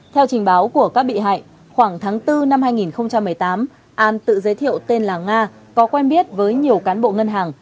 theo trình báo của các bị hại khoảng tháng bốn năm hai nghìn một mươi tám an tự giới thiệu tên là nga có quen biết với nhiều cán bộ ngân hàng